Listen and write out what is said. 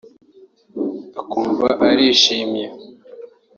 akumva arishimye (euphorie)